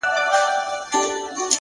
څه عجيبه شان سيتار کي يې ويده کړم”